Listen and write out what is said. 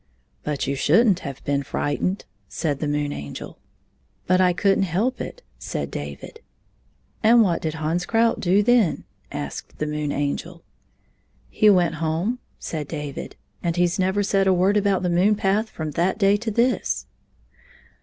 " But you should n't have been fi ightened," said the Moon Angel. 35 " But I could n't help it," said David. " And what did Hans Krout do then ?" asked the Moon Angel. "He went home," said David, "and he 's never said a word about the moon path from that day to this."